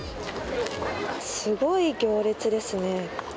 すごい行列ですね。